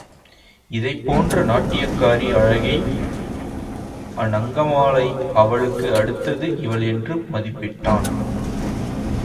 இதைப் போன்ற நாட்டியக் காரி அழகி அநங்கமாலை அவளுக்கு அடுத்தது இவள் என்று மதிப்பிட்டான்.